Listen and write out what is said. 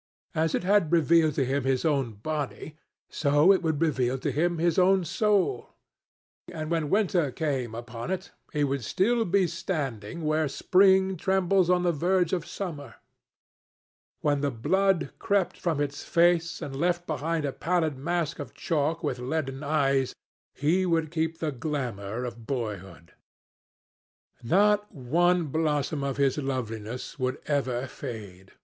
As it had revealed to him his own body, so it would reveal to him his own soul. And when winter came upon it, he would still be standing where spring trembles on the verge of summer. When the blood crept from its face, and left behind a pallid mask of chalk with leaden eyes, he would keep the glamour of boyhood. Not one blossom of his loveliness would ever fade.